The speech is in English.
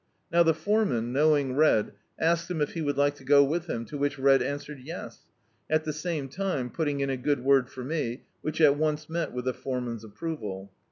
Now the foreman, knowing Red, asked him if he would like to go with him, to which Red answered yes, at the same time putting in a good word for me, which at once met with the foreman's approval.